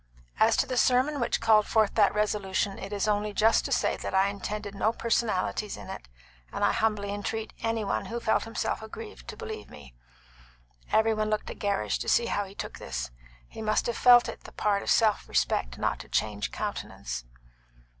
As to the sermon which called forth that resolution it is only just to say that I intended no personalities in it, and I humbly entreat any one who felt himself aggrieved to believe me." Every one looked at Gerrish to see how he took this; he must have felt it the part of self respect not to change countenance.